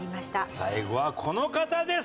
最後はこの方です。